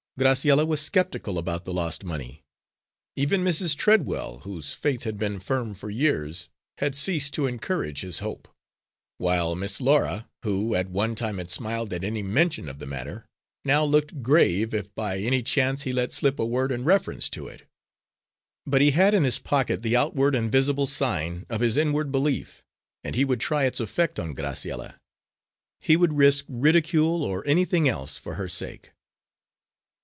Graciella was skeptical about the lost money. Even Mrs. Treadwell, whose faith had been firm for years, had ceased to encourage his hope; while Miss Laura, who at one time had smiled at any mention of the matter, now looked grave if by any chance he let slip a word in reference to it. But he had in his pocket the outward and visible sign of his inward belief, and he would try its effect on Graciella. He would risk ridicule or anything else for her sake.